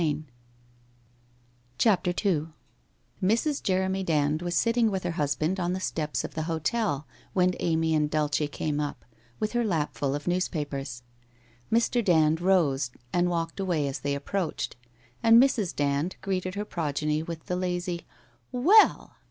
Adieu.' CHAPTER II Mrs. Jeremy Dand was sitting with her husband on the steps of the hotel when Amy and Dulce came up, with her lap full of newspapers. Mr. Dand rose and walked away as they approached and Mrs. Dand greeted her progeny with the lazy ' Well